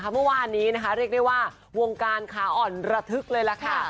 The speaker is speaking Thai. เมื่อวานนี้นะคะเรียกได้ว่าวงการขาอ่อนระทึกเลยล่ะค่ะ